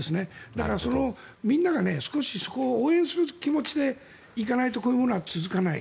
だから、みんなが少しそこを応援する気持ちで行かないとこういうものは続かない。